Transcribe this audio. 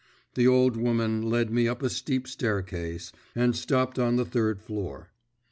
The old woman led me up a steep staircase, and stopped on the third floor.